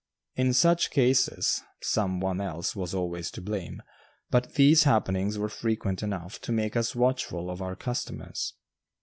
In such cases, some one else was always to blame, but these happenings were frequent enough to make us watchful of our customers.